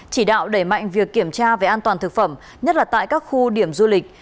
chỉ đạo đẩy mạnh việc kiểm tra về an toàn thực phẩm nhất là tại các khu điểm du lịch